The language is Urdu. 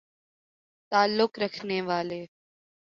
تعلق رکھنے والے